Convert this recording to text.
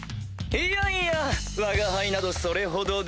いやいやわが輩などそれほどでも。